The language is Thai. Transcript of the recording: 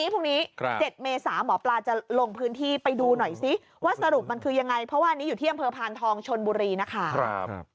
พรุ่งนี้๗เมษาหมอปลาจะลงพื้นที่ไปดูหน่อยซิว่าสรุปมันคือยังไงเพราะว่าอันนี้อยู่ที่อำเภอพานทองชนบุรีนะคะ